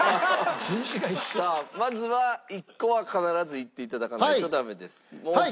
さあまずは１個は必ずいっていただかないとダメです。